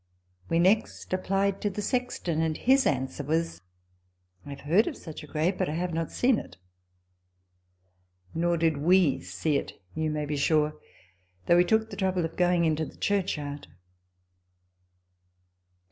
We next applied to the sexton ; and his answer was, "I have heard oi such a grave; but I have not seenit" Nor did we see it, you may be sure, though we took the trouble of going into the churchyard.